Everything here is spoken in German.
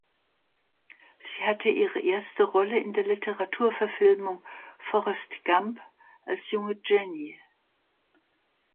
Sie hatte ihre erste Rolle in der Literaturverfilmung "Forrest Gump" als junge Jenny.